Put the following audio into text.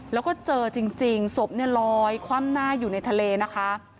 แล้วก็เจอจริงศพเนี่ยลอยคว่ำหน้าอยู่ในทะเลนะคะ